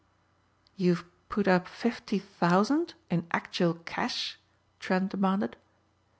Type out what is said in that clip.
"You've put up fifty thousand in actual cash?" Trent demanded.